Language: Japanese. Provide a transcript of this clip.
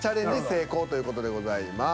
成功という事でございます。